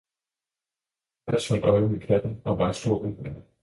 Hans holdt øje med katten og var i stor uro.